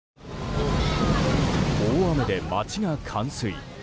大雨で町が冠水。